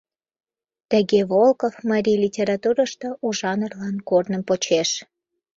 Тыге Волков марий литературышто у жанрлан корным почеш.